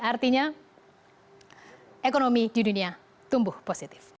artinya ekonomi di dunia tumbuh positif